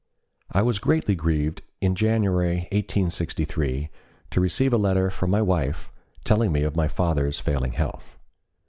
I was greatly grieved in January, 1863, to receive a letter from my wife telling me of my father's failing health.